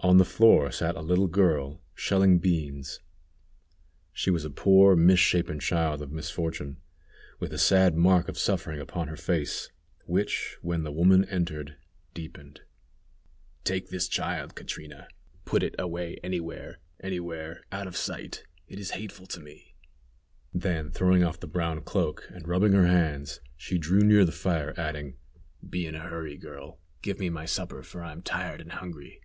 On the floor sat a little girl shelling beans. She was a poor, misshapen child of misfortune, with a sad mark of suffering upon her face, which, when the woman entered, deepened. "Take this child, Catrina. Put it away anywhere anywhere out of sight. It is hateful to me." Then throwing off the brown cloak, and rubbing her hands, she drew near the fire, adding: "Be in a hurry, girl. Give me my supper, for I am tired and hungry."